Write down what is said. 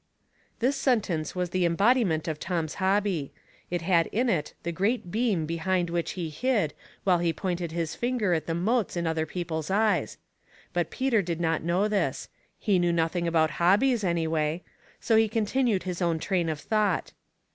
This sentence was the embodiment of Tom's hobby ; it had in it the great beam behind which he hid while he pointed his finger at the motes in other people's eyes; but Peter did not know this — he knew nothing about hobbies anyway — so he continued his own train of thought.